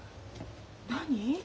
何？